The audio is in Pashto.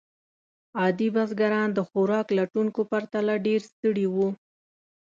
عادي بزګران د خوراک لټونکو پرتله ډېر ستړي وو.